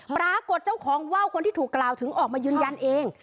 ปรากฏเจ้าของว่าวคนที่ถูกกล่าวถึงออกมายืนยันเอง